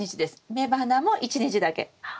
雌花も１日だけ。